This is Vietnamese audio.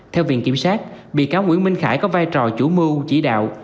theo viện kiểm sát bị cáo nguyễn minh khải có vai trò chủ mưu chỉ đạo